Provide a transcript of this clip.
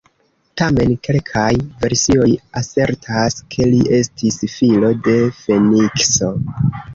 Tamen, kelkaj versioj asertas ke li estis filo de Fenikso.